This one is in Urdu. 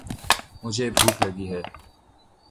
مجھے بھوک لگی ہے۔